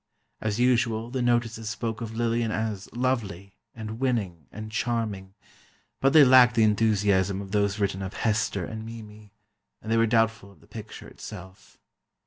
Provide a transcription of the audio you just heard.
As usual, the notices spoke of Lillian as "lovely," and "winning," and "charming," but they lacked the enthusiasm of those written of Hester and Mimi, and they were doubtful of the picture itself.